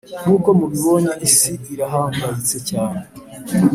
nkuko mubibonye isi irahangayitse cyane